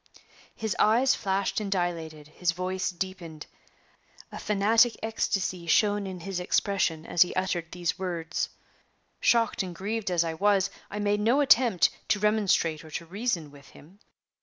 His eyes flashed and dilated his voice deepened a fanatic ecstasy shone in his expression as he uttered these words. Shocked and grieved as I was, I made no attempt to remonstrate or to reason with him.